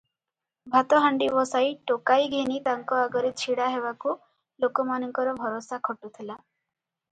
ଭାତ ହାଣ୍ତି ବସାଇ ଟୋକାଇ ଘେନି ତାଙ୍କ ଆଗରେ ଛିଡ଼ାହେବାକୁ ଲୋକମାନଙ୍କର ଭରସା ଖଟୁଥିଲା ।